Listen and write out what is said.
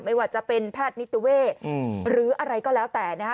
ไม่ว่าจะเป็นแพทย์นิติเวศหรืออะไรก็แล้วแต่นะฮะ